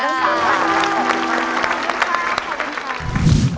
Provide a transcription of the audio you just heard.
ขอบคุณค่ะ